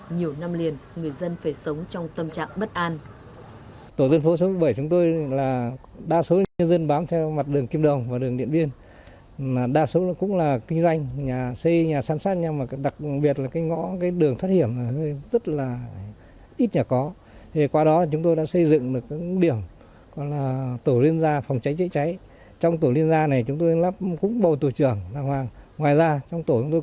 nhiều năm liền người dân phải sống trong tâm trạng bất an